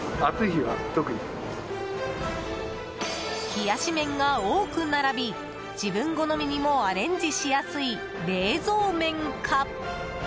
冷やし麺が多く並び自分好みにもアレンジしやすい冷蔵麺か？